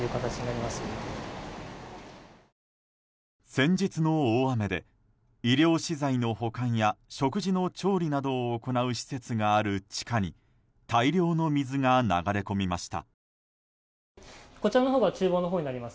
先日の大雨で医療資材の保管や食事の調理などを行う施設がある地下に大量の水が流れ込みました。